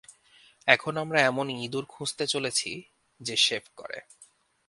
এখন আমরা এমন ইঁদুর খুঁজতে চলেছি যে শেভ করে।